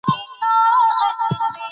پلار موږ ته د سخت کار او زیار اهمیت بیانوي.